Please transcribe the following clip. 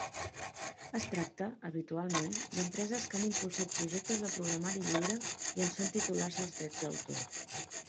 Es tracta, habitualment, d'empreses que han impulsat projectes de programari lliure i en són titulars dels drets d'autor.